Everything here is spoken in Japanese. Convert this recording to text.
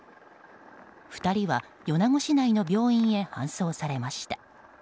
２人は米子市内の病院へ搬送されました。